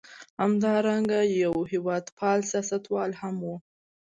همدارنګه یو هېواد پال سیاستوال هم و.